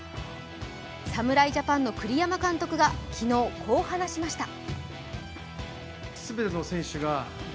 侍ジャパンの栗山監督が昨日、こう話しました。